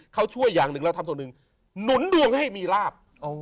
เขาช่วยอย่างหนึ่งเราทำส่วนหนึ่งหนุนดวงให้มีลาบ